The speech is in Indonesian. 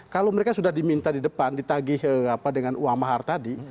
kalau mereka sudah diminta di depan ditagih dengan uang mahar tadi